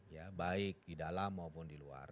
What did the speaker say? ya baik di dalam maupun di luar